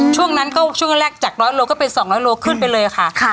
ช่วงนั้นก็ช่วงแรกจาก๑๐๐โลก็เป็น๒๐๐โลขึ้นไปเลยค่ะ